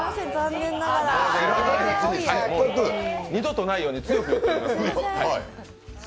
二度とないように強く言っておきますので。